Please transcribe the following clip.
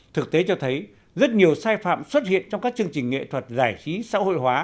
thực tế cho thấy rất nhiều sai phạm xuất hiện trong các chương trình nghệ thuật giải trí xã hội hóa